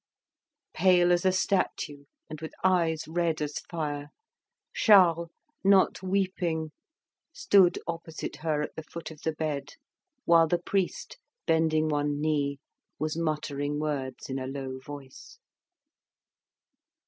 Pale as a statue and with eyes red as fire, Charles, not weeping, stood opposite her at the foot of the bed, while the priest, bending one knee, was muttering words in a low voice.